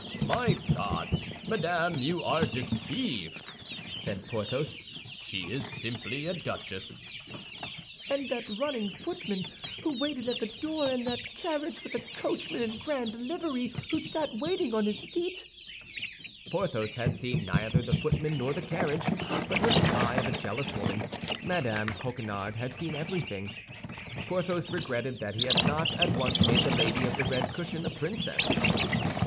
"My God! Madame, you are deceived," said Porthos; "she is simply a duchess." "And that running footman who waited at the door, and that carriage with a coachman in grand livery who sat waiting on his seat?" Porthos had seen neither the footman nor the carriage, but with the eye of a jealous woman, Mme. Coquenard had seen everything. Porthos regretted that he had not at once made the lady of the red cushion a princess.